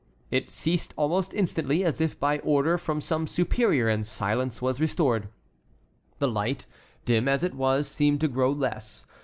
It ceased almost instantly, as if by order from some superior, and silence was restored. The light, dim as it was, seemed to grow less.